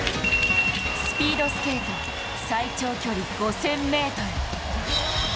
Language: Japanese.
スピードスケート最長距離５０００ｍ。